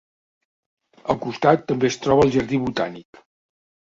Al costat també es troba el Jardí Botànic.